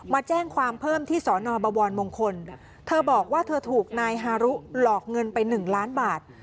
มาแจ้งความเพิ่มที่สอนอบวรมงคลเธอบอกว่าเธอถูกนายฮารุหลอกเงินไปหนึ่งล้านบาท